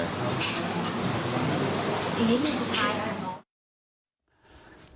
อีกนิดหนึ่งสุดท้าย